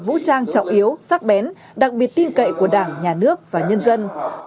vũ trang trọng yếu sắc bén đặc biệt tin cậy của đảng nhà nước và nhân dân